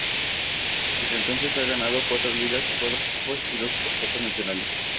Desde entonces, ha ganado cuatro ligas, cuatro copas y dos supercopas nacionales.